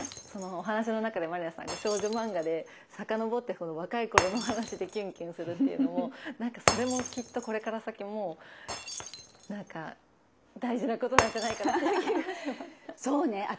お話の中で満里奈さんが少女漫画で遡って若い頃のお話でキュンキュンするっていうのもそれもきっとこれから先もなんか大事なことなんじゃないかなっていう気がしました。